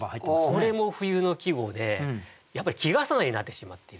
これも冬の季語でやっぱり季重なりになってしまっていると。